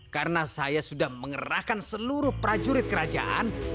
karena saya sudah mengerahkan seluruh prajurit kerajaan